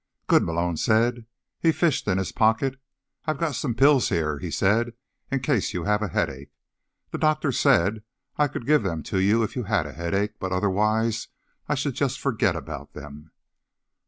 "Good," Malone said. He fished in his pocket. "I've got some pills here," he said, "in case you have a headache. The doctor said I could give them to you if you had a headache, but otherwise I should just forget about them."